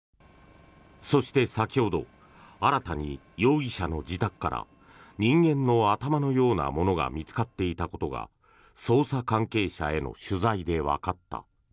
そして、先ほど新たに容疑者の自宅から人間の頭のようなものが見つかっていたことが無事到着しました！